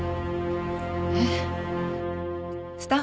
えっ。